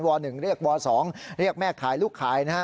๑เรียกว๒เรียกแม่ขายลูกขายนะฮะ